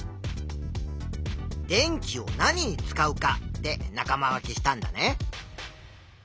「電気を何に使うか」で仲間分けしたんだね。